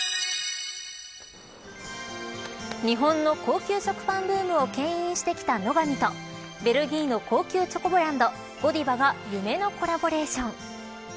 日本の高級食パンブームをけん引してきた乃が美とベルギーの高級チョコブランドＧＯＤＩＶＡが夢のコラボレーション。